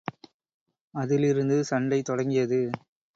அதிலிருந்து சண்டை தொடங்கியது.